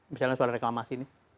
misalnya soal reklamasi nih